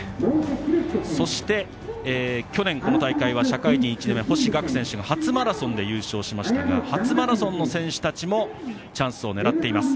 そして、去年この大会は社会人１年目、星岳選手が初マラソンで優勝しましたが初マラソンの選手たちもチャンスを狙っています。